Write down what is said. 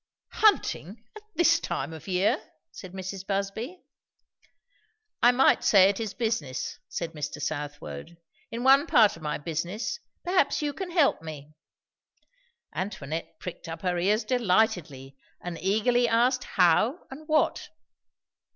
"Hunting, at this time of year!" said Mrs. Busby. "I might say it is business," said Mr. Southwode. "In one part of my business, perhaps you can help me." Antoinette pricked up her ears delightedly, and eagerly asked how? and what?